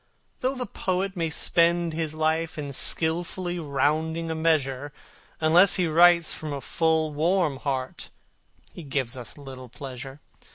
Though the poet may spend his life in skilfully rounding a measure, Unless he writes from a full, warm heart he gives us little pleasure.